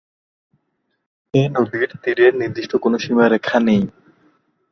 এ নদীর তীরের নির্দিষ্ট কোন সীমারেখা নেই।